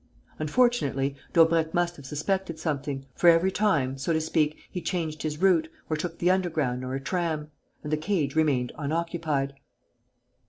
Unfortunately, Daubrecq must have suspected something, for every time, so to speak, he changed his route, or took the underground or a tram; and the cage remained unoccupied.